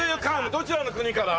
どちらの国から？